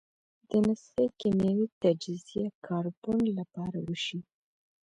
د نسخې کیمیاوي تجزیه کاربن له پاره وشي.